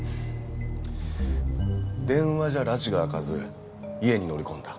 電話じゃらちが明かず家に乗り込んだ？